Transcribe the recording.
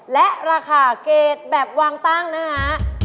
และราคาเกรดแบบวางตั้งนะฮะ